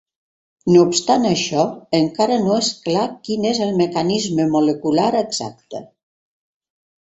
No obstant això, encara no és clar quin és el mecanisme molecular exacte.